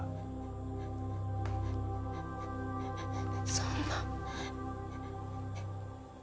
そんな。